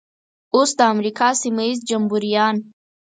اوس د امریکا سیمه ییز جمبوریان.